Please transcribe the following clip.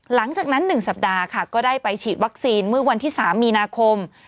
หลังจากนั้น๑สัปดาห์ค่ะก็ได้ไปฉีดวัคซีนเมื่อวันที่๓มีนาคม